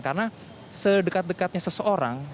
karena sedekat dekatnya seseorang